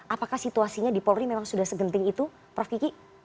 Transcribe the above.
apakah situasinya di polri memang sudah segenting itu prof kiki